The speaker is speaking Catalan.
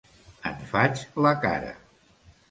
En faig la cara!